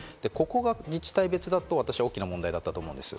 ここが自治体別だと私、大きな問題だったと思うんです。